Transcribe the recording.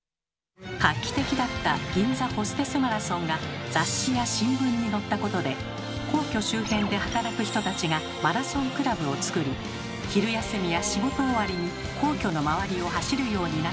画期的だった「銀座ホステスマラソン」が雑誌や新聞に載ったことで皇居周辺で働く人たちがマラソンクラブをつくり昼休みや仕事終わりに皇居の周りを走るようになったといいます。